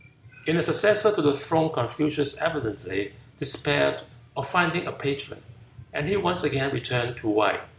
In the successor to the throne Confucius evidently despaired of finding a patron, and he once again returned to Wei.